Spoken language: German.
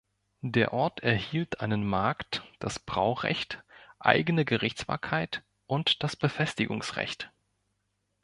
Der Ort erhielt einen Markt, das Braurecht, eigene Gerichtsbarkeit und das Befestigungsrecht.